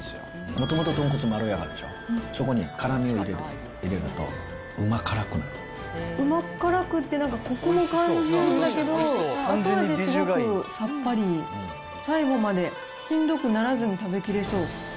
もともと豚骨まろやかでしょ、そこに辛みを入れると、うま辛くなうま辛くて、なんかコクも感じるんだけど、後味すごくさっぱり、最後までしんどくならずに食べきれそう。